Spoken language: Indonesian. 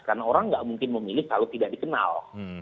karena orang nggak mungkin memilih kalau tidak dikenal